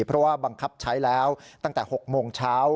เพราะว่าบังคับใช้แล้วตั้งแต่๖โมงเช้า